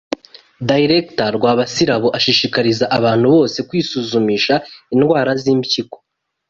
Dr Rwamasirabo ashishikariza abantu bose kwisuzumisha indwara z’impyiko